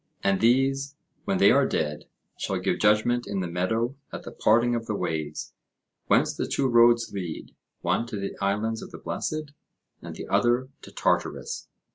And these, when they are dead, shall give judgment in the meadow at the parting of the ways, whence the two roads lead, one to the Islands of the Blessed, and the other to Tartarus.